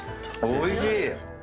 おいしい！